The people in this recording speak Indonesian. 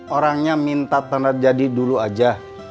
orangnya minta tanda jadi dulu aja